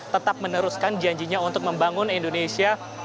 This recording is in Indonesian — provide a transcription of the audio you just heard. tetap meneruskan janjinya untuk membangun indonesia